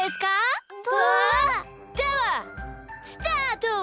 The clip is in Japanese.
プゥ！ではスタート！